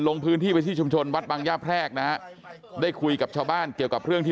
ลงพื้นที่ไปที่ชุมชนวัดบางย่าแพรกนะฮะได้คุยกับชาวบ้านเกี่ยวกับเรื่องที่